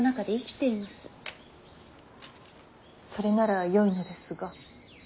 それならよいのですが。